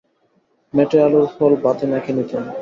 মেটে আলুর ফল ভাতে মেখে নিতাম।